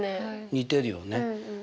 似てるよね？